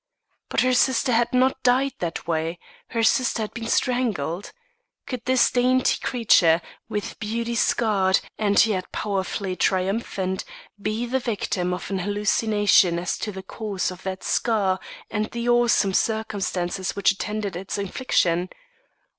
But her sister had not died that way; her sister had been strangled. Could this dainty creature, with beauty scarred and yet powerfully triumphant, be the victim of an hallucination as to the cause of that scar and the awesome circumstances which attended its infliction?